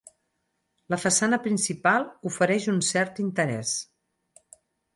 La façana principal ofereix un cert interès.